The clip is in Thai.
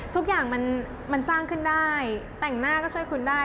ทุกอย่างมันสร้างขึ้นได้แต่งหน้าก็ช่วยคุณได้